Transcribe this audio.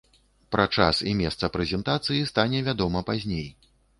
Пра час і месца прэзентацыі стане вядома пазней.